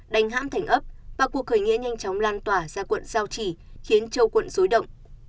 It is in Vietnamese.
đánh hãm thành ấp và cuộc khởi nghĩa nhanh chóng lan tỏa ra quận giao chỉ khiến châu quận rối động